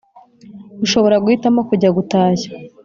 Ushobora guhitamo kujya gutashya